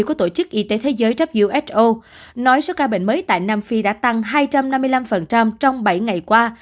của tổ chức y tế thế giới who nói số ca bệnh mới tại nam phi đã tăng hai trăm năm mươi năm trong bảy ngày qua